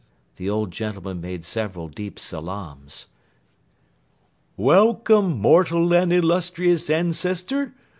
The old gentleman made several deep salaams. "Welcome, immortal and illustrious Ancestor!